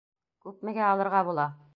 — Күпмегә алырға була?